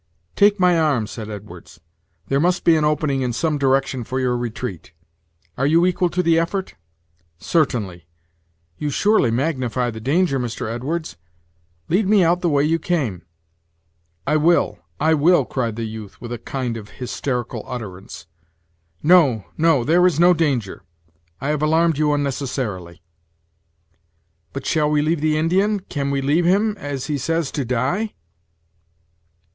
"Take my arm," said Edwards; "there must be an opening in some direction for your retreat. Are you equal to the effort?" "Certainly. You surely magnify the danger, Mr. Edwards. Lead me out the way you came." "I will I will," cried the youth, with a kind of hysterical utterance. "No, no there is no danger I have alarmed you unnecessarily." "But shall we leave the Indian can we leave him, as he says, to die?"